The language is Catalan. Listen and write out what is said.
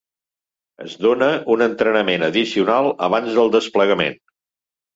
Es dóna un entrenament addicional abans del desplegament.